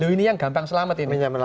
ini yang gampang selamat